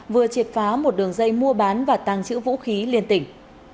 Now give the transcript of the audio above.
vừa chiệt phá một đường dây mua bán và tăng chữ vũ khí liên tỉnh